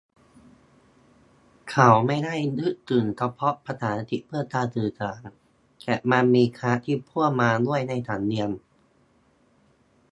เขาไม่ได้นึกถึงเฉพาะภาษาอังกฤษเพื่อการสื่อสาร แต่มันมี "คลาส" ที่พ่วงมาด้วยในสำเนียง